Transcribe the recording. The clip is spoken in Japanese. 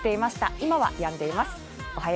今はやんでいます。